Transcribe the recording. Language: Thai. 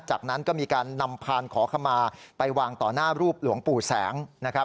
จากนั้นก็มีการนำพานขอขมาไปวางต่อหน้ารูปหลวงปู่แสงนะครับ